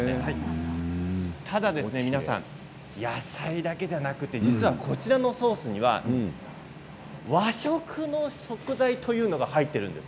ただ、野菜だけではなくてこちらのソースには和食の食材というのが入っているんです。